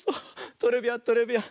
トレビアントレビアン。